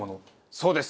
そうです。